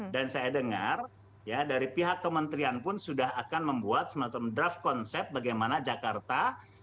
dan saya dengar dari pihak kementerian pun sudah akan membuat semacam draft konsep bagaimana jakarta